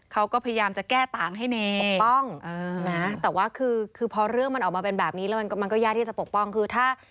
เขาก็พยายามจะแก้ต่างให้เนปกป้องนะแต่ว่าคือพอเรื่องมันออกมาเป็นแบบนี้แล้วมันก็ยากที่จะปกป้องคือถ้า